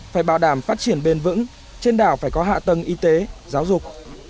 phải bảo đảm phát triển bền vững trên đảo phải có hạ tầng y tế giáo dục